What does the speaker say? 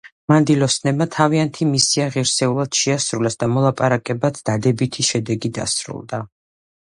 მანდილოსნებმა თავიანთი მისია ღირსეულად შეასრულეს და მოლაპარაკებაც დადებითი შედეგით დასრულდა.